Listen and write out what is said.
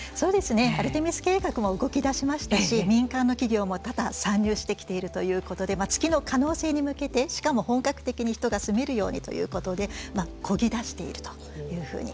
アルテミス計画も動きだしましたし民間の企業も多々参入してきているということで月の可能性に向けてしかも本格的に人が住めるようにということでこぎ出しているというふうに。